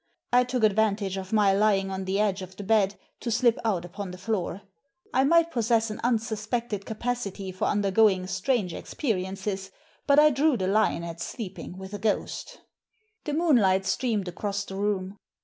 I took advantage of my lying on the edge of the bed to slip out upon the floor. I might possess an unsuspected capacity for undergoing strange ex periences, but I drew the line at sleeping with a ghost The moonlight streamed across the room.